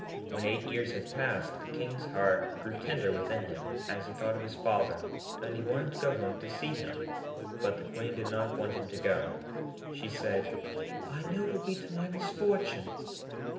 When eight years had passed, the King's heart grew tender within him as he thought of his father, and he wanted to go home to see him. But the Queen did not want him to go. She said, 'I know it will be to my misfortune.'